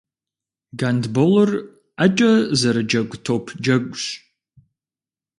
Гандболыр ӏэкӏэ зэрыджэгу топ джэгущ.